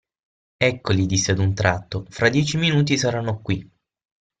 Eccoli, disse ad un tratto, fra dieci minuti saranno qui.